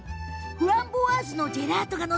フランボワーズのジェラート。